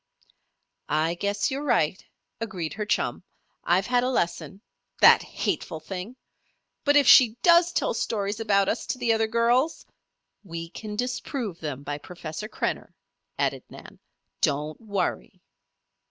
"I guess you're right," agreed her chum. "I've had a lesson. That hateful thing! But if she does tell stories about us to the other girls " "We can disprove them by Professor Krenner," added Nan. "Don't worry."